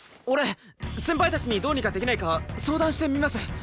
俺先輩たちにどうにかできないか相談してみます。